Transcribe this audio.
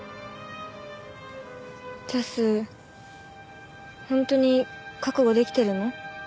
ジャス本当に覚悟できてるの？